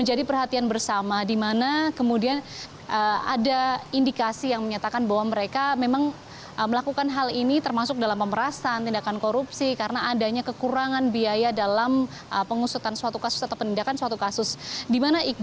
jadi ini adalah satu hal yang sangat penting